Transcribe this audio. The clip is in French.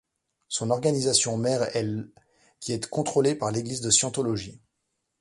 Son organisation mère est l', qui est contrôlée par l'Église de Scientologie.